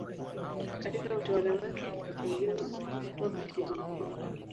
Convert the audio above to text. Katika utawala wake aliteuliwa kuwa katibu mkuu